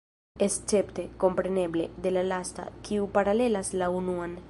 Escepte, kompreneble, de la lasta, kiu paralelas la unuan.